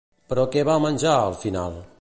Però què va menjar, al final?